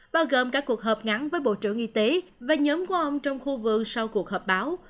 bao gồm cả cuộc họp ngắn với bộ trưởng y tế và nhóm của ông trong khu vườn sau cuộc họp báo